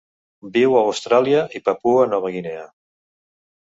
Viu a Austràlia i Papua Nova Guinea.